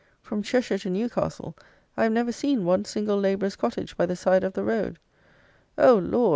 From Cheshire to Newcastle, I have never seen one single labourer's cottage by the side of the road! Oh, Lord!